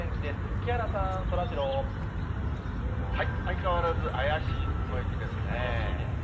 木原さん、そらジロー。相変わらず怪しい雲行きですね。